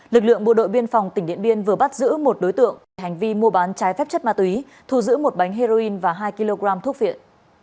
lực lượng bộ đội biên phòng tỉnh điện biên vừa bắt giữ một đối tượng về hành vi mua bán trái phép chất ma túy thu giữ một bánh heroin và hai kg thuốc viện